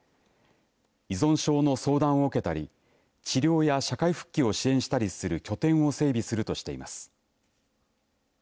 依存症の相談を受けたり治療や社会復帰を支援したりする拠点を整備するとしています。